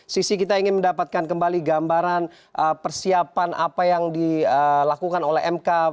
sisi kita ingin mendapatkan kembali gambaran persiapan apa yang dilakukan oleh mk